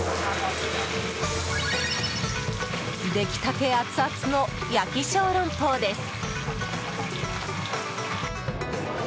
出来たてアツアツの焼き小籠包です。